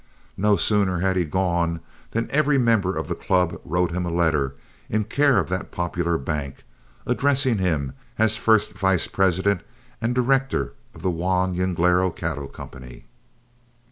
No sooner had he gone than every member of the club wrote him a letter, in care of that popular bank, addressing him as first vice president and director of The Juan Jinglero Cattle Company.